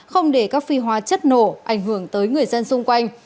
không để các phi hóa chất nổ ảnh hưởng tới người dân xung quanh